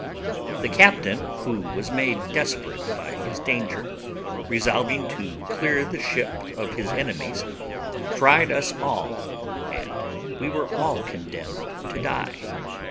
The captain, who was made desperate by his danger, resolving to clear the ship of his enemies, tried us all, and we were all condemned to die.